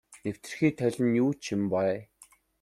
Нэвтэрхий толь нь ч юу юм бэ.